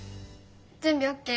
準備ＯＫ。